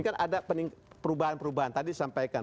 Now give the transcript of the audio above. kan ada perubahan perubahan tadi disampaikan